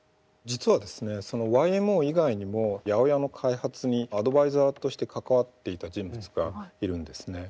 そのＹＭＯ以外にも８０８の開発にアドバイザーとして関わっていた人物がいるんですね。